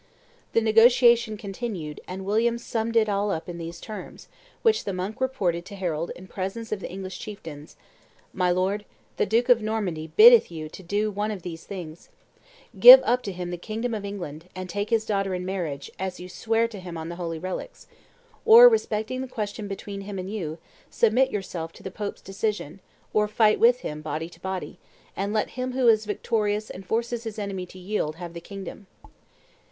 The negotiation continued, and William summed it all up in these terms, which the monk reported to Harold in presence of the English chieftains: "My lord, the duke of Normandy biddeth you do one of these things: give up to him the kingdom of England, and take his daughter in marriage, as you sware to him on the holy relics; or, respecting the question between him and you, submit yourself to the Pope's decision; or fight with him, body to body, and let him who is victorious and forces his enemy to yield have the kingdom."